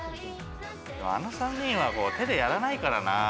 あの３人は手でやらないからな。